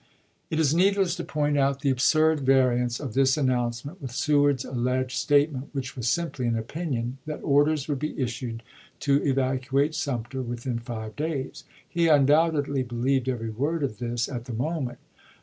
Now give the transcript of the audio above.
It is needless to point out the absurd variance of this announcement with Seward's alleged state ment, which was simply an opinion that orders would be issued to evacuate Sumter within five days. He undoubtedly believed every word of this at the moment.